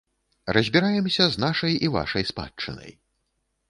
Разбіраемся з нашай і вашай спадчынай.